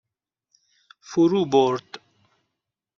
فرو برد